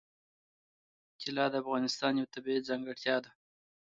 طلا د افغانستان یوه طبیعي ځانګړتیا ده.